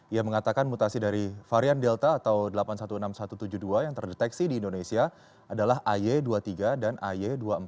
ia mengatakan mutasi dari varian delta atau delapan ribu enam belas satu ratus tujuh puluh dua yang terdeteksi di indonesia adalah ay dua puluh tiga dan ay dua puluh empat